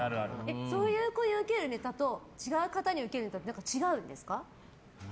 そういう子にウケるネタと違う方にウケるネタって違うんですか？